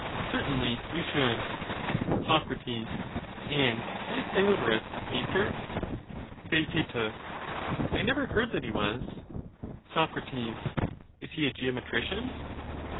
Certainly we should. Soc, And is Theodorus a painter ? Theaet. I never heard that he was. Soc. Is he a geometrician